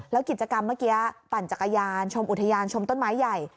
แล้วกิจกรรมเมื่อกี้ปั่นจักรยานชมอุทยานชมต้นไม้ใหญ่